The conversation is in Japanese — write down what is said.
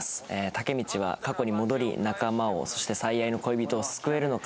タケミチは過去に戻り仲間をそして最愛の恋人を救えるのか？